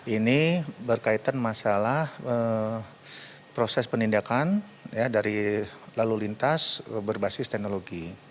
ini berkaitan masalah proses penindakan dari lalu lintas berbasis teknologi